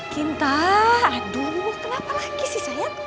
ginta aduh kenapa lagi sih sayang